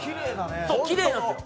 きれいなんですよ。